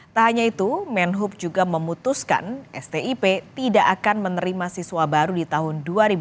tak hanya itu menhub juga memutuskan stip tidak akan menerima siswa baru di tahun dua ribu dua puluh